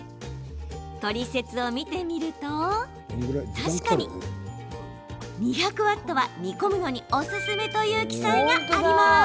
トリセツを見てみると確かに２００ワットは煮込むのにおすすめという記載があります。